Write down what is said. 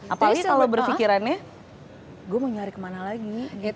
apalagi kalau berpikirannya gue mau nyari kemana lagi